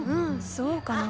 そうかな。